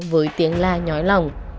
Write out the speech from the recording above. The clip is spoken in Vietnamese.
với tiếng la nhói lòng